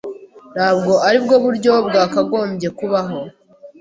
Ntabwo aribwo buryo bwakagombye kubaho.